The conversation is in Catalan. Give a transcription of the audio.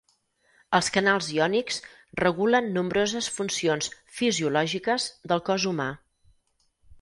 Els canals iònics regulen nombroses funcions fisiològiques del cos humà.